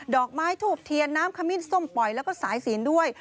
อกไม้ทูบเทียนน้ำขมิ้นส้มปล่อยแล้วก็สายศีลด้วย